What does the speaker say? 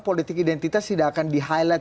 politik identitas tidak akan di highlight